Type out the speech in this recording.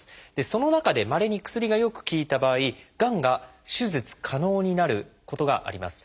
その中でまれに薬がよく効いた場合がんが手術可能になることがあります。